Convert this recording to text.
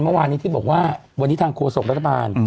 เมื่อวานนี้ที่บอกว่าวันนี้ทางโฆษกรัฐบาล